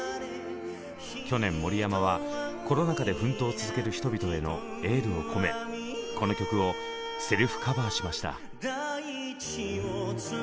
去年森山はコロナ禍で奮闘を続ける人々へのエールを込めこの曲をセルフカバーしました。